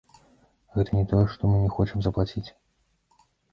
Гэта не тое што мы не хочам заплаціць.